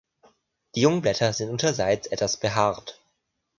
Die jungen Blätter sind unterseits etwas behaart.